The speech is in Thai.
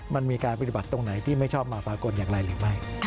มันมีการปฏิบัติตรงไหนที่ไม่ชอบมาภากลอย่างไรหรือไม่